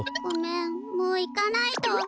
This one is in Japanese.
ごめんもう行かないと。